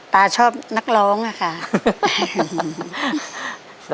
ชอบนักร้องอะค่ะ